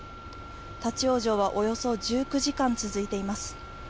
立往生はおよそ１９時間続いています。